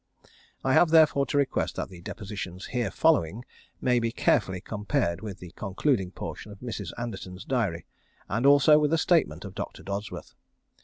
I have, therefore, to request that the depositions here following may be carefully compared with the concluding portion of Mrs. Anderton's diary, and also with the statement of Dr. Dodsworth.